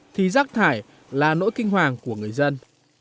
thì rác thải là nỗi kinh hoàng của người dân